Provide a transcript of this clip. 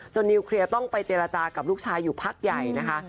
นิวเคลียร์ต้องไปเจรจากับลูกชายอยู่พักใหญ่นะคะ